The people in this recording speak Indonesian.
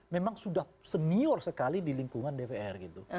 memang sudah senior sekali di lingkungan dpr gitu